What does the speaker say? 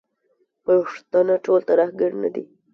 پښتانه ټول ترهګر نه دي.